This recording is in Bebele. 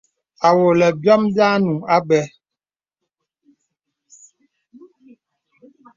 Awɔlə̀ bìom bì ànuŋ àbə̀.